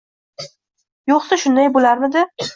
Yo'qsa, shunday bo'larmidi?